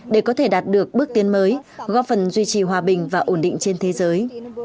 để có thể đạt được bước tiến mới góp phần duy trì hòa bình và ổn định trên thế giới